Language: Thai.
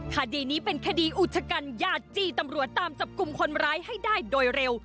คดีนี้เป็นคดีอุชกันญาติจี้ตำรวจตามจับกลุ่มคนร้ายให้ได้โดยเร็ว